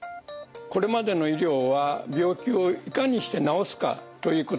これまでの医療は病気をいかにして治すかということに尽力してきました。